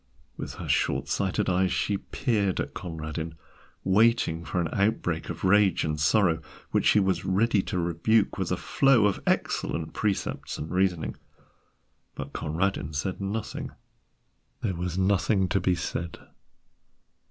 With her short sighted eyes she peered at Conradin, waiting for an outbreak of rage and sorrow, which she was ready to rebuke with a flow of excellent precepts and reasoning. But Conradin said nothing: there was nothing to be said.